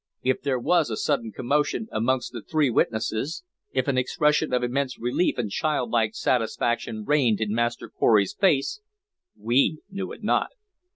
If there was a sudden commotion amongst the three witnesses, if an expression of immense relief and childlike satisfaction reigned in Master Pory's face, we knew it not.